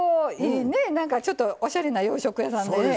いいねなんかちょっとおしゃれな洋食屋さんでね